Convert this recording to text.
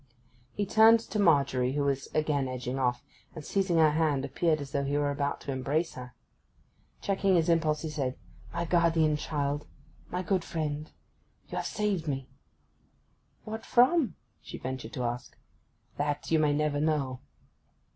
He turned to Margery, who was again edging off, and, seizing her hand, appeared as though he were about to embrace her. Checking his impulse, he said, 'My guardian child—my good friend—you have saved me!' 'What from?' she ventured to ask. 'That you may never know.